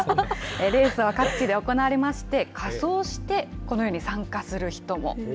レースは各地で行われまして、仮装してこのように参加する人も。